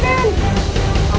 tidak ada apa apa